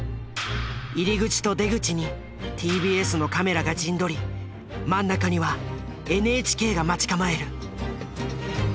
入り口と出口にＴＢＳのカメラが陣取り真ん中にはＮＨＫが待ち構える。